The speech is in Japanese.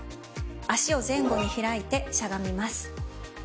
脚を前後に開いてしゃがみます。